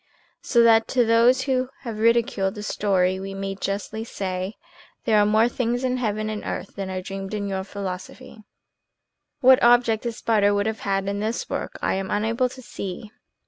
So that to those who have ridiculed the story we may justly say: "There are more things in heaven and earth than are dreamed of in your philosophy." What object the spider could have had in this work I am unable to see.